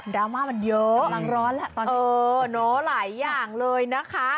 ดราม่ามันเยอะตอนนี้กำลังร้อนแล้วหลายอย่างเลยนะคะ